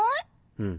うん。